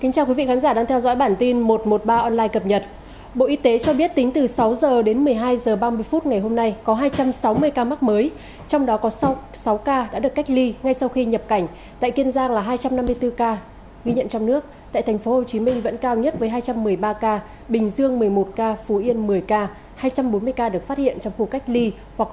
cảm ơn các bạn đã theo dõi